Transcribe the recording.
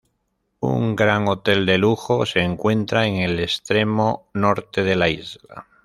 Un gran hotel de lujo se encuentra en el extremo norte de la isla.